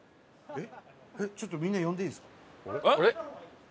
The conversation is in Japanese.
えっ！